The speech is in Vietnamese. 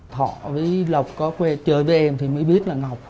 thọ với lộc có quen chơi với em thì mới biết là ngọc